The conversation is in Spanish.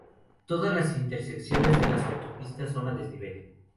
Todas las intersecciones de la autopistas son a desnivel.